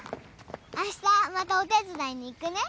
あしたまたお手伝いに行くね。